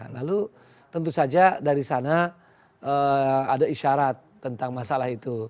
lalu tentu saja dari sana ada isyarat tentang masalah itu